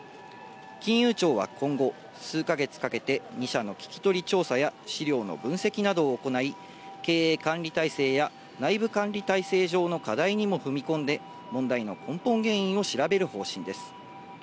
金融庁は今後、数か月かけて２社の聞き取り調査や資料の分析などを行い、経営管理体制や内部管理体制上の課題にも踏み込んで問題の根本原因を調べる方針です。